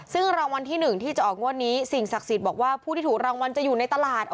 ซึ่งรางวัลที่๑ที่จะออกงวดนี้สิ่งศักดิ์สิทธิ์บอกว่าผู้ที่ถูกรางวัลจะอยู่ในตลาด